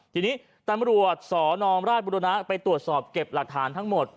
ทีนี้ตำรวจสนราชบุรณะไปตรวจสอบเก็บหลักฐานทั้งหมด